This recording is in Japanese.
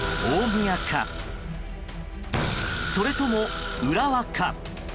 大宮か、それとも浦和か。